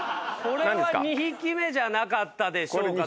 これは２匹目じゃなかったでしょうか？